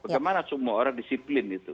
bagaimana semua orang disiplin itu